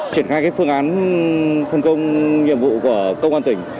triển khai phương án phân công nhiệm vụ của công an tỉnh